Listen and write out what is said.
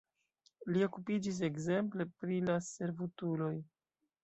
Li okupiĝis ekzemple pri la servutuloj.